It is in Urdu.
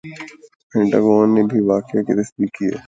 پینٹا گون نے بھی واقعہ کی تصدیق کی ہے